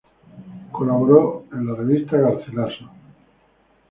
Colaboró en la revista "Garcilaso.